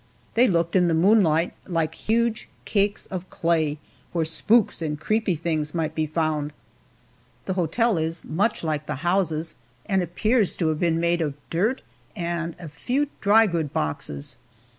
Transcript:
They looked, in the moonlight, like huge cakes of clay, where spooks and creepy things might be found. The hotel is much like the houses, and appears to have been made of dirt, and a few drygoods boxes.